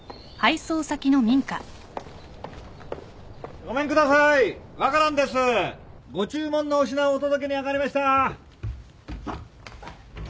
ご注文のお品お届けにあがりました。